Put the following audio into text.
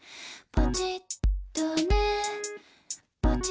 「ポチッとね」